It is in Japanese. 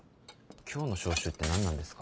今日の招集って何なんですか？